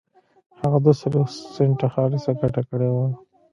هغه دوه څلوېښت سنټه خالصه ګټه کړې وه